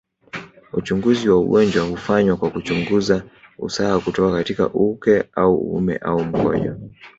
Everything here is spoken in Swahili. Uchunguzi wa ugonjwa hufanywa kwa kuchungunza usaha kutoka katika uke au uume au mkojo